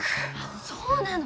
そうなの。